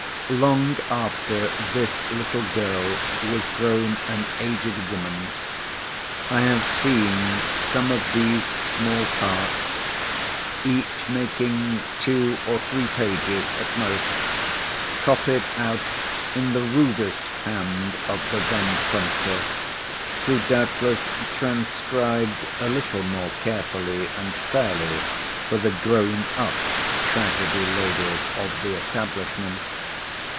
Long after this little girl was grown an aged woman, I have seen some of these small parts, each making two or three pages at most, copied out in the rudest hand of the then prompter, who doubtless transcribed a little more carefully and fairly for the grown up tragedy ladies of the establishment.